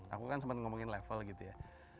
aku kan sempat ngomongin level gitu ya